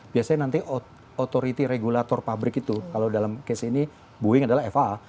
biasanya nanti authority regulator pabrik itu kalau dalam case ini boeing adalah faa